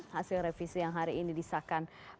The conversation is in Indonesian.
hasil revisi yang hari ini disahkan